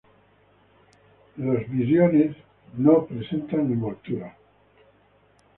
Los viriones no presentan envoltura.